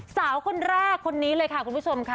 สาวคนแรกคนนี้เลยค่ะคุณผู้ชมค่ะ